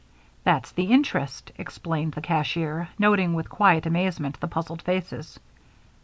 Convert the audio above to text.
"That's the interest," explained the cashier, noting with quiet amusement the puzzled faces.